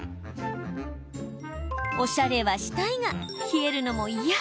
おしゃれはしたいが冷えるのも嫌。